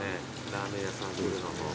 ラーメン屋さん来るのも。